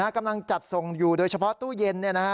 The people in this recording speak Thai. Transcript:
กำลังจัดส่งอยู่โดยเฉพาะตู้เย็น